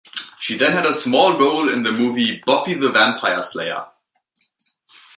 She then had a small role in the movie "Buffy the Vampire Slayer".